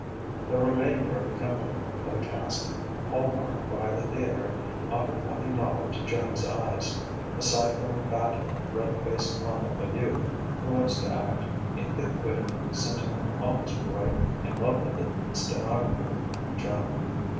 The remainder of the company, of a caste hall marked by the theatre, offered nothing novel to Joan's eyes aside from a fat, red faced lump of a youth who was to act a thick witted, sentimental office boy, in love with the stenographer (Joan).